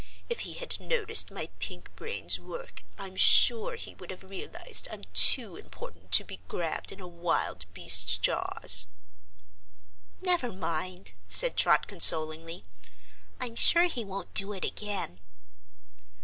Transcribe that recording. If he had noticed my pink brains work, I'm sure he would have realized I'm too important to be grabbed in a wild beast's jaws." "Never mind," said Trot consolingly; "I'm sure he won't do it again."